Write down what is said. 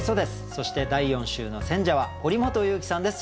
そして第４週の選者は堀本裕樹さんです。